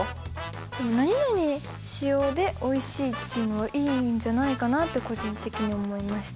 何々使用でおいしいっていうのはいいんじゃないかなって個人的に思いました。